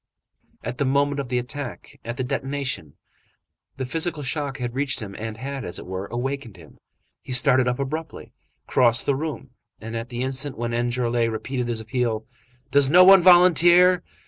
At the moment of the attack, at the detonation, the physical shock had reached him and had, as it were, awakened him; he started up abruptly, crossed the room, and at the instant when Enjolras repeated his appeal: "Does no one volunteer?"